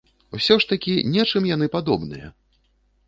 Усё ж такі нечым яны падобныя!